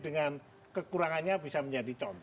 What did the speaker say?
dengan kekurangannya bisa menjadi contoh